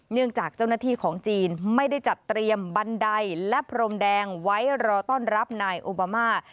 จากเจ้าหน้าที่ของจีนไม่ได้จัดเตรียมบันไดและพรมแดงไว้รอต้อนรับนายโอบามา